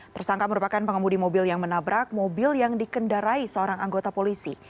tersangka merupakan pengemudi mobil yang menabrak mobil yang dikendarai seorang anggota polisi